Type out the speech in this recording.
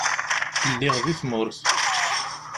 Lliɣ di tumert.